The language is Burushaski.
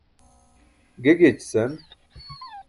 ge giyaćican